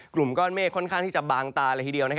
กลุ่มก้อนเมฆค่อนข้างที่จะบางตาเลยทีเดียว